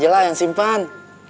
bukan sajalah yang simpan